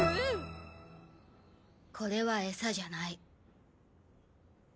これはエサじゃない。